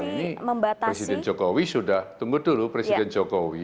ini presiden jokowi sudah tunggu dulu presiden jokowi